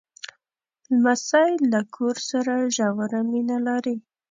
لمسی له کور سره ژوره مینه لري.